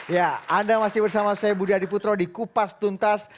ya anda masih bersama saya budi adiputro di kupas tuntas